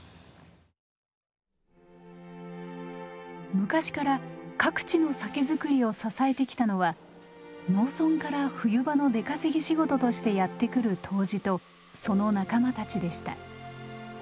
昔から各地の酒造りを支えてきたのは農村から冬場の出稼ぎ仕事としてやって来る杜氏とその仲間たちでした。